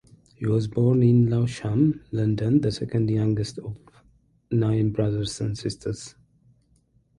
He was born in Lewisham, London, the second youngest of nine brothers and sisters.